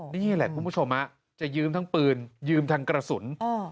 นี่แหละคุณผู้ชมจะยืมทั้งปืนยืมทั้งกระสุน